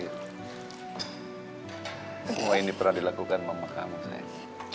semua ini pernah dilakukan mama kamu sayang